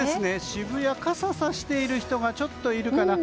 渋谷は傘をさしている人がちょっといるかな。